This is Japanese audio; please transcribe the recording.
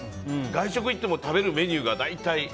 外食行っても食べるメニューが大体。